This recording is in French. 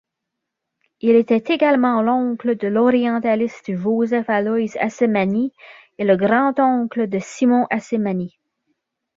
Il était également l'oncle de l'orientaliste Joseph-Aloys Assemani, et le grand-oncle de Simon Assemani.